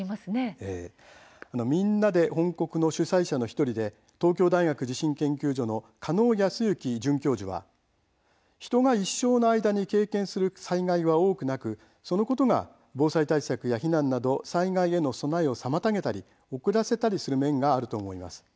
「みんなで翻刻」の主宰者の１人で東京大学地震研究所の加納靖之准教授は人が一生の間に経験する災害は多くなくそのことが防災対策や避難など災害への備えを妨げたり遅らせたりする面があると思います。